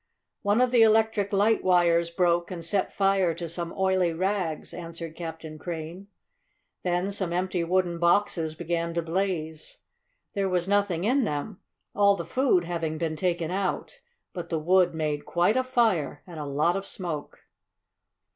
"One of the electric light wires broke and set fire to some oily rags," answered Captain Crane. "Then some empty wooden boxes began to blaze. There was nothing in them all the food having been taken out but the wood made quite a fire and a lot of smoke.